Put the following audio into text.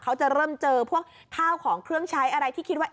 เขาจะเริ่มเจอพวกข้าวของเครื่องใช้อะไรที่คิดว่า